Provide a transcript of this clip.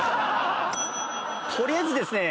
取りあえずですね